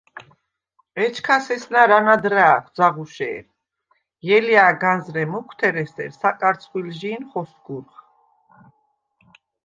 ეჩქას ესნა̈რ ანად რა̄̈ქვ, ძაღუშე̄რ: ჲელია̈ განზრე მუქვთერ ესერ საკარცხვილჟი̄ნ ხოსგურხ.